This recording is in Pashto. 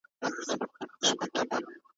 زحمت بې نتيجې نه وي